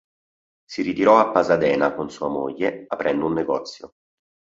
Si ritirò a Pasadena con sua moglie, aprendo un negozio.